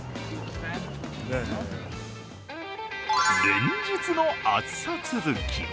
連日の暑さ続き。